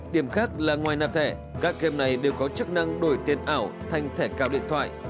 điểm khác là ngoài nạp thẻ các game này đều có chức năng đổi tiền ảo thành thẻ cào điện thoại